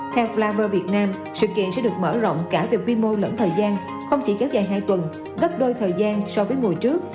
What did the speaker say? theo plaver việt nam sự kiện sẽ được mở rộng cả về quy mô lẫn thời gian không chỉ kéo dài hai tuần gấp đôi thời gian so với mùa trước